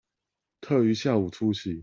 特於下午出席